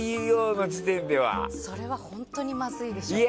それは本当にまずいでしょ。